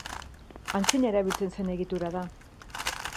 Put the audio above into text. Antzina erabiltzen zen egitura da.